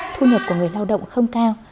thu nhập của người lao động không cao